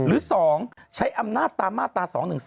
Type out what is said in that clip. หรือ๒ใช้อำนาจตามมาตรา๒๑๓